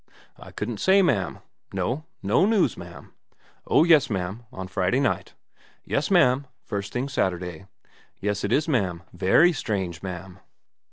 ' I couldn't say, ma'am.' ' No, no news, ma'am.' ' Oh yes, ma'am, on Friday night.' 4 Yes, ma'am, first thing Saturday.' ' Yes, it is, ma'am very strange, ma'am.'